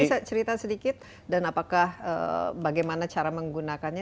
bisa cerita sedikit dan apakah bagaimana cara menggunakannya